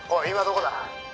今どこだ？